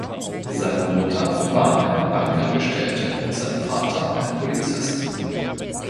Seine Mutter war eine Bankangestellte und sein Vater ein Polizist.